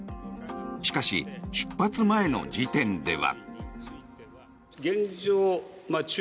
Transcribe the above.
しかし、出発前の時点では。